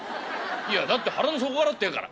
「いやだって腹の底からって言うから」。